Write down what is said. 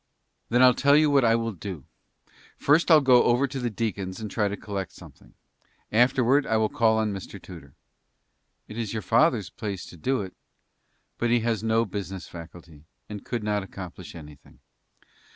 "Then I'll tell you what I will do. I'll first go over to the deacon's and try to collect something. Afterward I will call on Mr. Tudor." "It is your father's place to do it, but he has no business faculty, and could not accomplish anything.